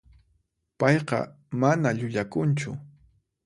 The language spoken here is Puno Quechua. Payqa mana llullakunchu.